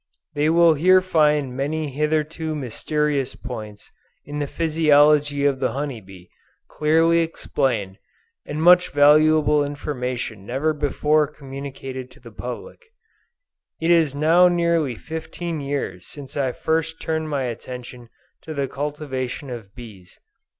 They will here find many hitherto mysterious points in the physiology of the honey bee, clearly explained, and much valuable information never before communicated to the public. It is now nearly fifteen years since I first turned my attention to the cultivation of bees.